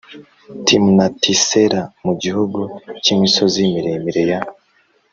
Timunatisera mu gihugu cy imisozi miremire ya